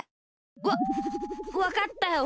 わっわかったよ。